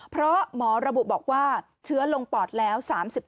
เพราะหมอระบุบอกว่าเชื้อลงปอดแล้ว๓๔